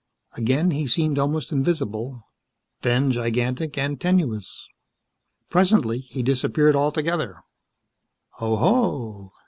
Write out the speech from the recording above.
Again he seemed almost invisible; then gigantic and tenuous. Presently he disappeared altogether. "Oho!"